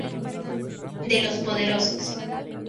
De los poderosos.